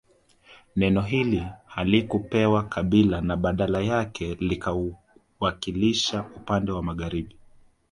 Neno hili halikupewa kabila na badala yake linawakilisha upande wa magharibi